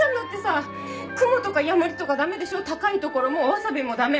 高い所もわさびもダメ。